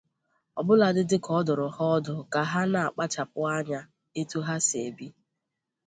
ọbụladị dịka ọ dụrụ ha ọdụ ka ha na-akpachapụ anya etu ha si ebi